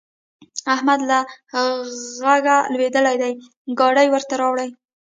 احمد له غږه لوېدلی دی؛ ګاډی ورته راولي.